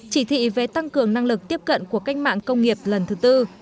chỉ thị về tăng cường năng lực tiếp cận của cách mạng công nghiệp lần thứ tư